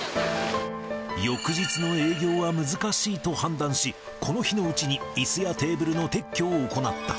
翌日の営業は難しいと判断し、この日のうちに、いすやテーブルの撤去を行った。